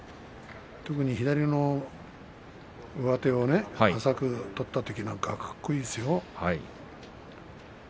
特に左の上手を浅く取ったときなんか、かっこいいですよ。